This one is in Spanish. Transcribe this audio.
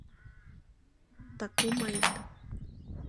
Takuma Ito